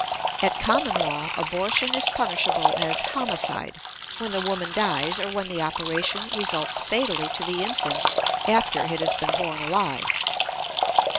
At Common Law, abortion is punishable as homicide when the woman dies or when the operation results fatally to the infant after it has been born alive.